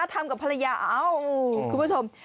ทำกับภรรยาเอ้าคุณผู้ชม